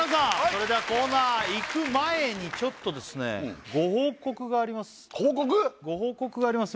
それではコーナー行く前にちょっとですねご報告があります報告？ご報告があります